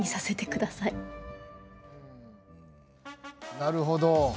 なるほど。